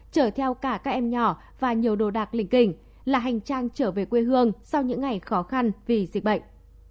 chở theo cả các em nhỏ và nhiều đồ đạc linh kình là hành trang trở về quê hương sau những ngày khó khăn vì dịch bệnh